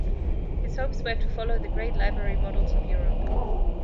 His hopes were to follow the great library models of Europe.